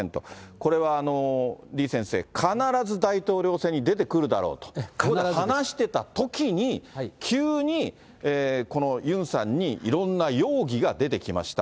これは李先生、必ず大統領選に出てくるだろうと話してたときに、急にこのユンさんにいろんな容疑が出てきました。